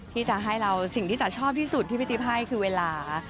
ที่จะให้เราสิ่งที่จ๋าชอบที่สุดที่พี่จิ๊บให้คือเวลา